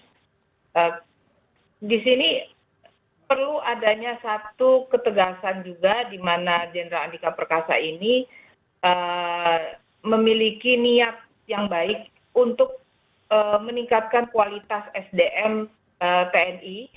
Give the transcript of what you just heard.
jadi disini perlu adanya satu ketegasan juga dimana jenderal andika perkasa ini memiliki niat yang baik untuk meningkatkan kualitas sdm tni